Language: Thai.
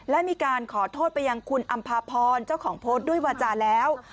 และมีการขอโทษไปยังคุณอำภาพรเจ้าของโพสต์ด้วยวาจาแล้ว